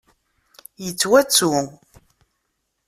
Yettwattu.